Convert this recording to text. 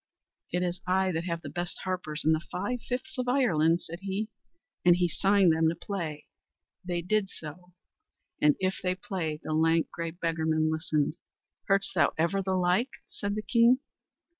"It is I that have the best harpers in the five fifths of Ireland," said he, and he signed them to play. They did so, and if they played, the lank, grey beggarman listened. "Heardst thou ever the like?" said the king.